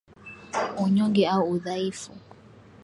Unyonge au udhaifu